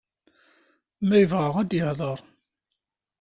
Ma yebɣa ad yehder.